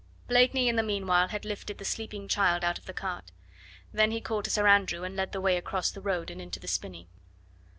Blakeney in the meanwhile had lifted the sleeping child out of the cart. Then he called to Sir Andrew and led the way across the road and into the spinney.